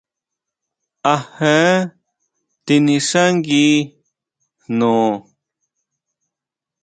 ¿A jee tinixángui jno?